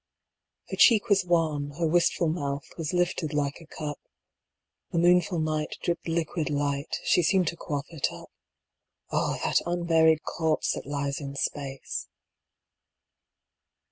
Her cheek was wan, her wistful mouth Was lifted like a cup, The moonful night dripped liquid light: She seemed to quaff it up. (Oh! that unburied corpse that lies in space.)